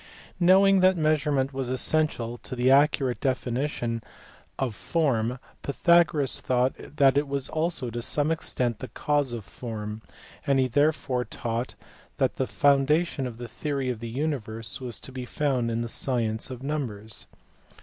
Knowing that measurement was essential to the accurate definition of form Pythagoras thought that it was also to some extent the cause of form, and he therefore taught that the foundation of the theory of the universe was to be found in the science of numbers.